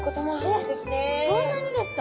えっそんなにですか？